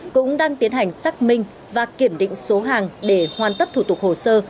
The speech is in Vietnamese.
cũng đang tiến hành xác minh và kiểm định số hàng để hoàn tất thủ tục hồ sơ